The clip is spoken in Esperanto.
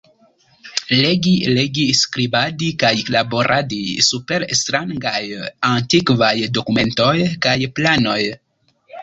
Legi, legi, skribadi kaj laboradi super strangaj, antikvaj dokumentoj kaj planoj.